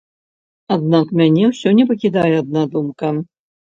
Аднак мяне ўсё не пакідае адна думка.